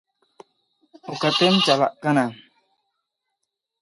A task is easier when you are motivated.